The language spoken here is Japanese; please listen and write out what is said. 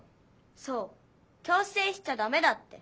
そう強せいしちゃダメだって。